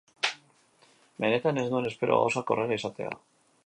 Benetan, ez nuen espero gauzak horrela izatea.